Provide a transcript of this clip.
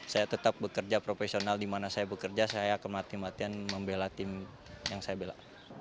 saya tetap bekerja profesional di mana saya bekerja saya akan mati matian membela tim yang saya bela